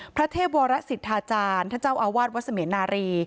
พระเทพวรสิทธาจารย์ท่านเจ้าอาวาสวัดเสมียนารี